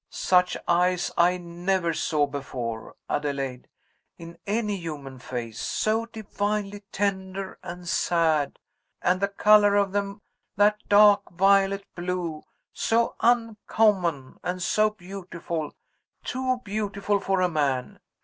Such eyes I never saw before, Adelaide, in any human face so divinely tender and sad and the color of them that dark violet blue, so uncommon and so beautiful too beautiful for a man.